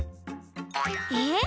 えっ？